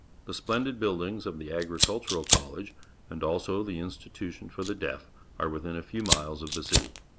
The splendid buildings of the Agricultural College, and also the Institution for the Deaf, are with in a few miles of the city.